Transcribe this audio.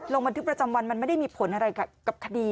ลงบันทึกประจำวันมันไม่ได้มีผลอะไรกับคดี